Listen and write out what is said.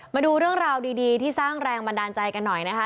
มาดูเรื่องราวดีที่สร้างแรงบันดาลใจกันหน่อยนะคะ